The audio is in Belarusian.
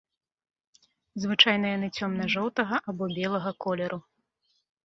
Звычайна яны цёмна-жоўтага або белага колеру.